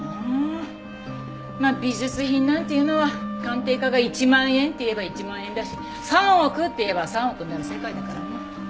まあ美術品なんていうのは鑑定家が１万円って言えば１万円だし３億って言えば３億になる世界だからね。